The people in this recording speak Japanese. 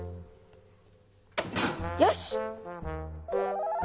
よし！